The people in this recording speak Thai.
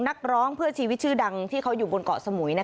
นักร้องเพื่อชีวิตชื่อดังที่เขาอยู่บนเกาะสมุย